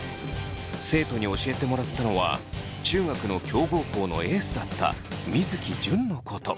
生徒に教えてもらったのは中学の強豪校のエースだった水城純のこと。